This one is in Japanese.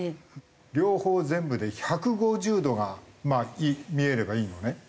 両方全部で１５０度が見えればいいのね。